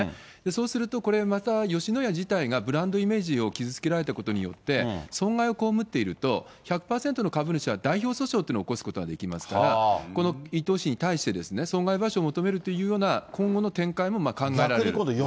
そうするとこれ、また吉野家自体がブランドイメージを傷つけられたことによって、損害を被っていると、１００％の株主っていうのは代表訴訟を起こすことができますから、この伊東氏に対して、損害賠償を求めるっていうような今後の展開も考えられる。